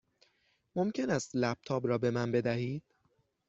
ممکن است لپ تاپ را به من بدهید؟